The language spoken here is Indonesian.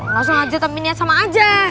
langsung aja tapi niat sama aja